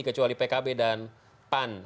kecuali pkb dan pan